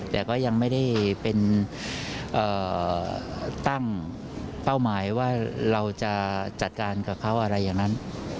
แต่ก็ยังไม่ได้เป็นตั้งเป้าหมายว่าเราจะจัดการกับเขาอะไรอย่างนั้น